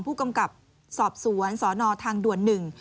ผู้กำกับสอบสวนสนทางด่วนหนึ่ง